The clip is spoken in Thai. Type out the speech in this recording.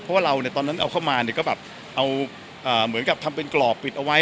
เพราะว่าเราตอนนั้นเอาเข้ามาเนี่ยก็แบบเอาเหมือนกับทำเป็นกรอบปิดเอาไว้